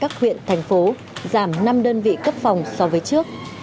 các huyện thành phố giảm năm đơn vị cấp phòng so với trước